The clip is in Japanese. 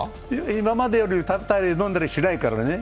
今までより食べたり飲んだりしないからね。